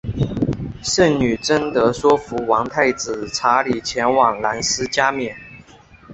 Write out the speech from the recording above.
圣女贞德说服王太子查理前往兰斯加冕。